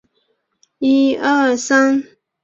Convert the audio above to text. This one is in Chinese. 以下是德国利珀领地伯爵和侯爵的列表。